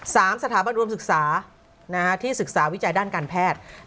สามสถาบันรวมศึกษาที่ศึกษาวิจัยด้านการแพทย์